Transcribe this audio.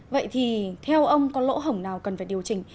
vậy thì theo ông có lỗ hổng nào cần phải điều chỉnh